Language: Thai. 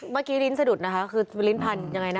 เมื่อกี้ลิ้นสะดุดนะคะก็คือลิ้นพันธุ์อย่างไรนะ